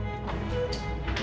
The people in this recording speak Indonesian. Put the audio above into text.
sebaiknya gue lagi n mandar